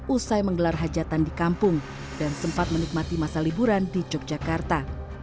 usai menggelar hajatan di kampung dan sempat menikmati masa liburan di yogyakarta